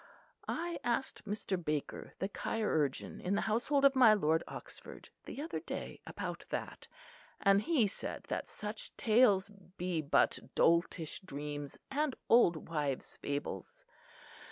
I asked Mr. Baker, the chirurgeon in the household of my Lord Oxford, the other day, about that; and he said that such tales be but doltish dreams and old wives' fables.